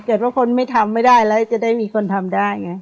ว่าคนไม่ทำไม่ได้แล้วจะได้มีคนทำได้ไง